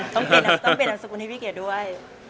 ต้องเป็นอันสกุลที่พี่เก๋ดด้วย